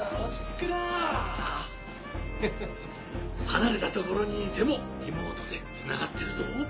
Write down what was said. はなれたところにいてもリモートでつながってるぞ。